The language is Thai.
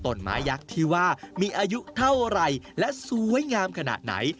ต้นไม้ยักษ์ที่ว่ามีอายุเท่าไหร่และสวยงามขนาดไหน